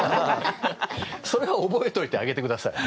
それは覚えといてあげてください。